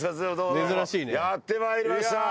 やってまいりました。